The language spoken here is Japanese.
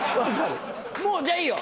もうじゃあいいよ